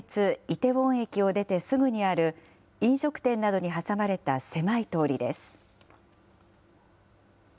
イテウォン駅を出てすぐにある、飲食店などに挟まれた狭い通りです。